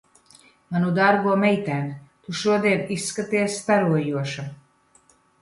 Manu dārgo meitēn, tu šodien izskaties starojoša.